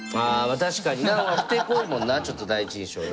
確かになふてこいもんなあちょっと第一印象な。